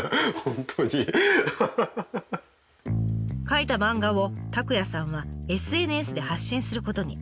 描いた漫画を拓也さんはＳＮＳで発信することに。